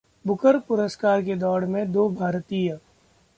Booker पुरस्कार की दौड़ में दो भारतीय